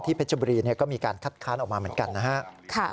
เพชรบุรีก็มีการคัดค้านออกมาเหมือนกันนะครับ